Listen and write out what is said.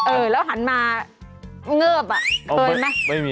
เออแล้วหันมาเงือบเคยไหม